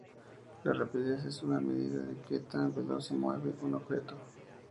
La rapidez es una medida de que tan veloz se mueve un objeto.